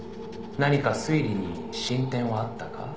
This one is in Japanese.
「何か推理に進展はあったか？」